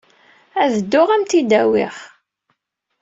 Ad dduɣ ad am-t-id-awiɣ.